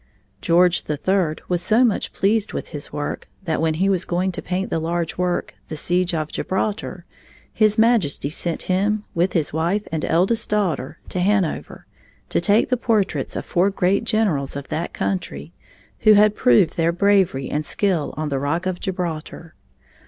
George the Third was so much pleased with his work that when he was going to paint the large work "The Siege of Gibraltar", his Majesty sent him, with his wife and eldest daughter, to Hanover, to take the portraits of four great generals of that country, who had proved their bravery and skill on the rock of Gibraltar.